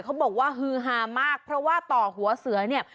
เขาบอกว่าฮือฮามากเพราะว่าต่อหัวเสือเนี่ย